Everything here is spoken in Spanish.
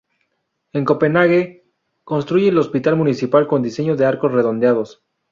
En Copenhague construye el Hospital Municipal, con diseño de arcos redondeados.